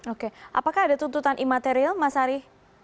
oke apakah ada tuntutan imaterial mas ari